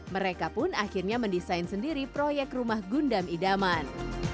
mereka pun akhirnya mendesain sendiri proyek rumah gundam idaman